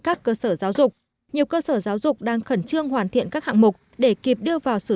các cơ sở giáo dục nhiều cơ sở giáo dục đang khẩn trương hoàn thiện các hạng mục để kịp đưa vào sử